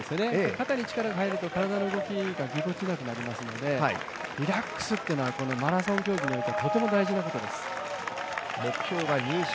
肩に力が入ると、体の動きがぎこちなくなりますのでリラックスというのはこのマラソン競技において目標は入賞。